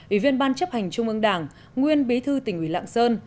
ủy viên ban chấp hành trung ương đảng nguyên bí thư tỉnh ủy lạng sơn